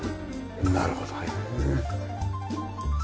なるほどね。